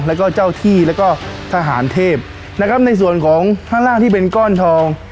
แล้วก็เจ้าที่แล้วก็ทหารเทพนะครับในส่วนของข้างล่างที่เป็นก้อนทอง